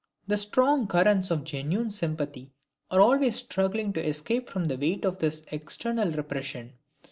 The strong currents of genuine sympathy are always struggling to escape from the weight of this external repression.